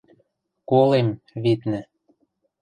Колем, видны...